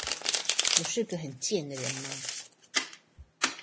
我是個很賤的人嗎